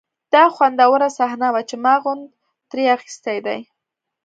دا خوندوره صحنه وه چې ما خوند ترې اخیستی دی